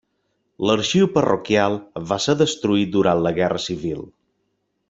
L'arxiu parroquial va ser destruït durant la Guerra Civil.